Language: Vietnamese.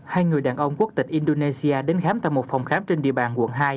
hai người đàn ông quốc tịch indonesia đến khám tại một phòng khám trên địa bàn quận hai